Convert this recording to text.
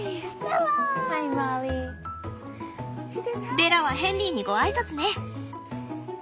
ベラはヘンリーにご挨拶ね。